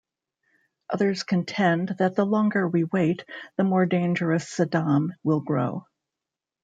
Others contend that the longer we wait, the more dangerous Saddam will grow.